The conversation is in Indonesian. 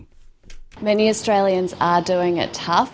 banyak orang australia yang melakukan hal yang susah